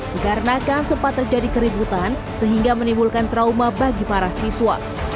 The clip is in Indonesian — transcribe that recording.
dikarenakan sempat terjadi keributan sehingga menimbulkan trauma bagi para siswa